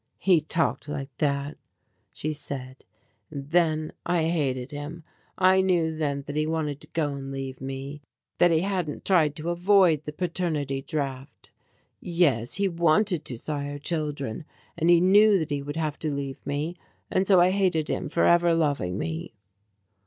"He talked like that," she said, "and then, I hated him. I knew then that he wanted to go and leave me. That he hadn't tried to avoid the paternity draft. Yes, he wanted to sire children. And he knew that he would have to leave me. And so I hated him for ever loving me."